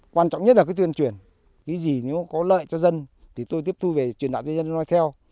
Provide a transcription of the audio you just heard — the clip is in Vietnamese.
quan trọng nhất là tuyên truyền cái gì nếu có lợi cho dân thì tôi tiếp thu về truyền đạn cho nhân dân nói theo